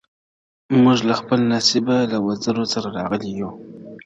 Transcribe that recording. موږ له خپل نصیبه له وزر سره راغلي یو -